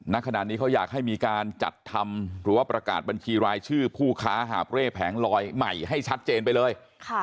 ณขณะนี้เขาอยากให้มีการจัดทำหรือว่าประกาศบัญชีรายชื่อผู้ค้าหาบเร่แผงลอยใหม่ให้ชัดเจนไปเลย